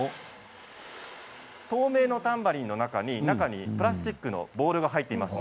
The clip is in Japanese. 透明のタンバリンの中にプラスチックのボールが入っています。